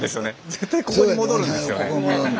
絶対ここに戻るんですよね。